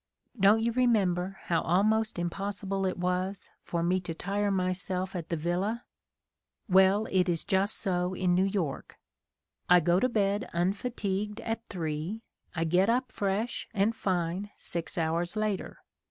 Don't you remember how almost impossible it was for me to tire myself at the villa? Well, it is just so in New York. I go to bed unfatigued at 3, I get up fresh and fine six hours later.